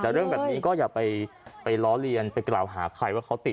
แต่เรื่องแบบนี้ก็อย่าไปล้อเลียนไปกล่าวหาใครว่าเขาติด